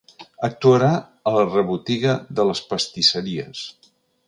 Actuarà a la rebotiga de les pastisseries.